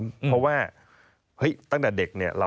เพราะว่าเฮ้ยตั้งแต่เด็กเนี่ย